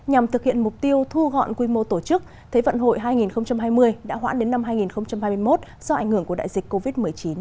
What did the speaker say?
nhằm thực hiện mục tiêu thu gọn quy mô tổ chức thế vận hội hai nghìn hai mươi đã hoãn đến năm hai nghìn hai mươi một do ảnh hưởng của đại dịch covid một mươi chín